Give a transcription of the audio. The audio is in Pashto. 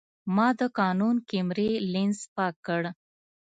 ما د کانون کیمرې لینز پاک کړ.